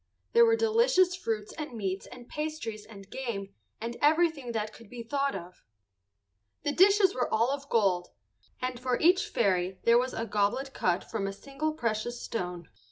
There were delicious fruits and meats and pastries and game and everything that could be thought of. The dishes were all of gold, and for each fairy there was a goblet cut from a single precious stone.